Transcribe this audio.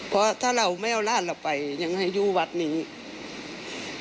เพราะอาจอยากให้หลานอยู่กับเรา